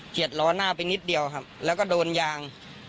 ล้อหน้าไปนิดเดียวครับแล้วก็โดนยาง